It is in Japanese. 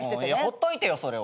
ほっといてよそれは。